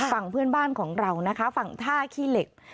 ฝั่งเพื่อนบ้านของเรานะคะฝั่งท่าขี้เหล็ก